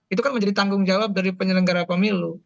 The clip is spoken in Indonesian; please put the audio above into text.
itu kan menjadi tanggung jawab dari penyelenggara pemilu